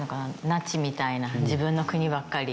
ナチみたいな自分の国ばっかり。